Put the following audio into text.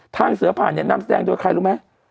ทางเสือผ่านเนี่ยนำแสดงโดยใครรู้ไหม